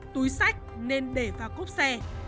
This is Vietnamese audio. túi sách nên để vào cốp xe